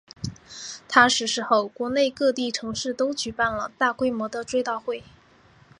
他逝世后国内各地城市都举行了大规模的追悼会。